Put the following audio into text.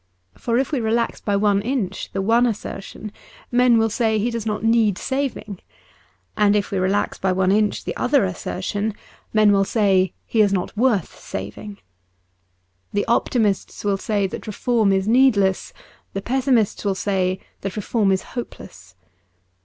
For if we relax by one inch the one assertion, men will say he does not need saving. And if we relax by one inch the other assertion men will say he is not worth saving. The optimists will say that reform is needless. The pessimists will say that reform is hopeless.